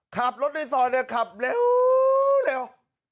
ขับรถในซอดเนี่ยขับเร็วเร็ว